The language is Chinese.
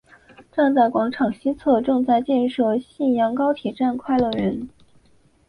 站前广场西侧正在建设信阳高铁站快乐园。